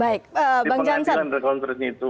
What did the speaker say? baik di pengadilan telekonferensi itu